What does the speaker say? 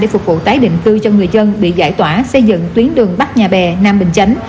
phục vụ tái định cư cho người dân bị giải tỏa xây dựng tuyến đường bắc nhà bè nam bình chánh